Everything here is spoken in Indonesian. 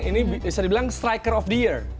ini bisa dibilang striker of the year